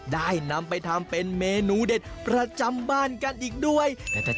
ได้นำไปทำเป็นเมนูเด็ดประจำบ้านกันอีกด้วย